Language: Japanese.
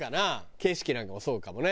景色なんかもそうかもね。